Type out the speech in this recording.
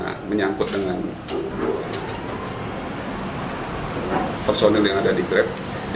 karena menyangkut dengan personil yang ada di grab